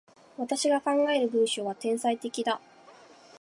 私が考える文章は、天才的だ。